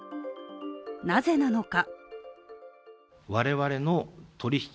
なぜなのか。